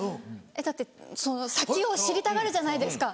だってその先を知りたがるじゃないですか。